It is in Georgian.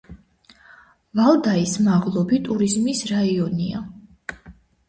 ვალდაის მაღლობი ტურიზმის რაიონია.